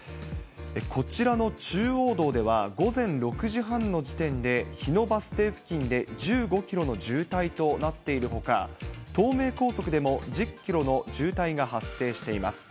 こちらの中央道では、午前６時半の時点で、日野バス停付近で１５キロの渋滞となっているほか、東名高速でも１０キロの渋滞が発生しています。